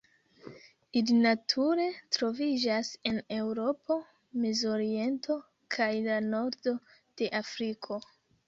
Ili nature troviĝas en Eŭropo, Mezoriento kaj la nordo de Afriko.